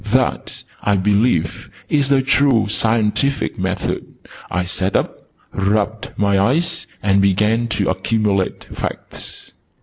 That, I believe, is the true Scientific Method. I sat up, rubbed my eyes, and began to accumulate Facts.